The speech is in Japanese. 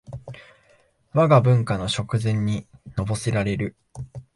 わが文化の食膳にのぼせられる